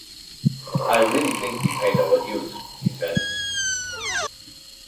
"I really think we paid our dues, "he said.